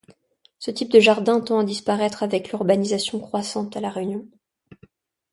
Ce type de jardin tend à disparaître avec l'urbanisation croissante à La Réunion.